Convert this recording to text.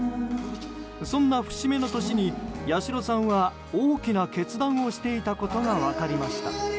そんな節目の年に八代さんは大きな決断をしていたことが分かりました。